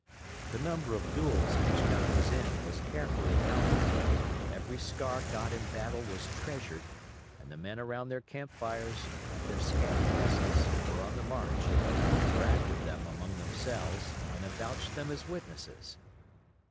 The number of duels each gun was in was carefully counted, every scar got in battle was treasured, and the men around their camp fires, at their scanty messes, or on the march, bragged of them among themselves and avouched them as witnesses.